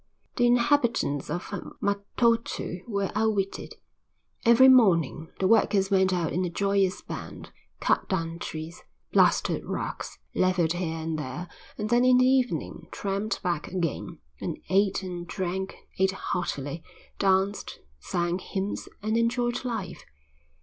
The inhabitants of Matautu were outwitted. Every morning the workers went out in a joyous band, cut down trees, blasted rocks, levelled here and there and then in the evening tramped back again, and ate and drank, ate heartily, danced, sang hymns, and enjoyed life.